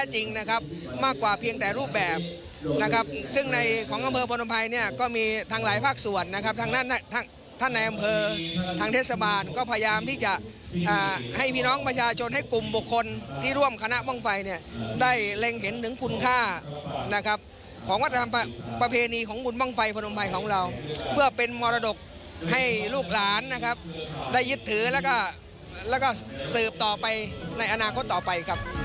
ให้ลูกหลานได้ยึดถือแล้วก็สืบต่อไปในอนาคตต่อไปครับ